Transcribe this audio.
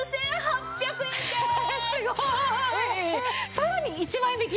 さらに１万円引き？